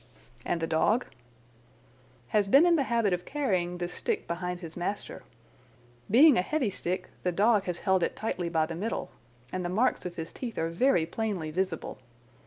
"And the dog?" "Has been in the habit of carrying this stick behind his master. Being a heavy stick the dog has held it tightly by the middle, and the marks of his teeth are very plainly visible.